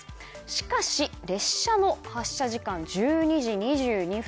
しかし、列車の発車時間が１２時２２分。